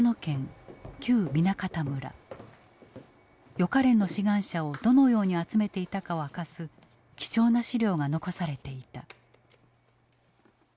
予科練の志願者をどのように集めていたかを明かす貴重な資料が残されていた。